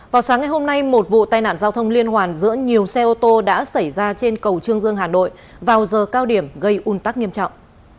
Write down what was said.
vào sáng ngày hôm nay một vụ tai nạn giao thông liên hoàn giữa nhiều xe ô tô đã xảy ra trên cầu trương dương hà nội vào giờ cao điểm gây un tắc nghiêm trọng